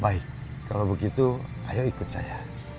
baik kalau begitu ayo ikut saya